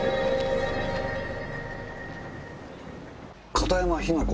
片山雛子？